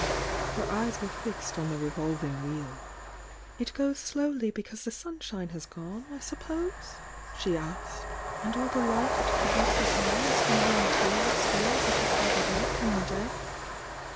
Her eyes were fixed on the revolvmg Wheel. "It goes slowly because the sunshine has gone, I suppose?" she asked. "And all the light it produces now is from the interior stores it has gathered up in the day?"